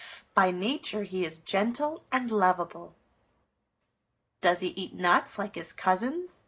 By nature he is gentle and lovable." "Does he eat nuts like his cousins?"